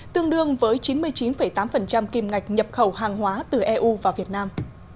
tương đương với chín mươi chín tám kim ngạch nhập khẩu hàng hóa từ eu vào việt nam